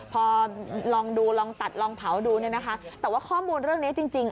พอลองดูลองตัดลองเผาดูเนี่ยนะคะแต่ว่าข้อมูลเรื่องนี้จริง